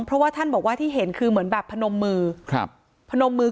เพราะว่าท่านบอกว่าที่เห็นคือเหมือนแบบพนมมือ